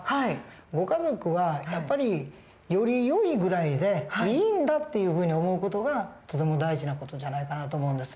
ご家族はやっぱりよりよいぐらいでいいんだっていうふうに思う事がとても大事な事じゃないかなと思うんです。